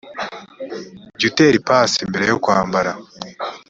jya utera ipasi mbere yo kwambarwa